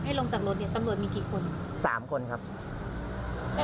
โยนเต็มโยนเต็มโยนเต็ม